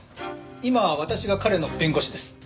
今は私が彼の弁護士です。